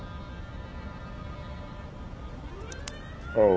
おう。